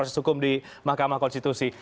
proses hukum di mahkamah konstitusi